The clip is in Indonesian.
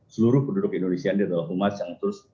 seluruh penduduk indonesia yang di dalam humas yang terus